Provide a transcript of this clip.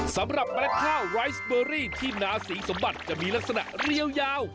เมล็ดข้าวไรสเบอรี่ที่นาสีสมบัติจะมีลักษณะเรียวยาว